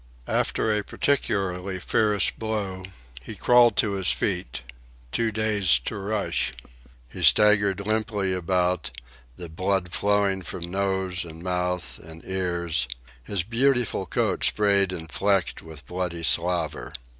After a particularly fierce blow, he crawled to his feet, too dazed to rush. He staggered limply about, the blood flowing from nose and mouth and ears, his beautiful coat sprayed and flecked with bloody slaver.